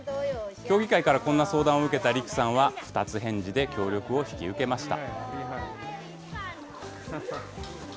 協議会からそんな相談を受けた陸さんは、二つ返事で協力を引き受けました。